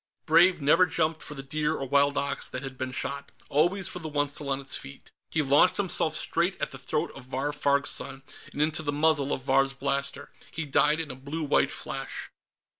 _" Brave never jumped for the deer or wild ox that had been shot; always for the one still on its feet. He launched himself straight at the throat of Vahr Farg's son and into the muzzle of Vahr's blaster. He died in a blue white flash.